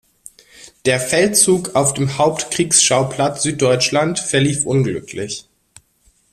Der Feldzug auf dem Hauptkriegsschauplatz Süddeutschland verlief unglücklich.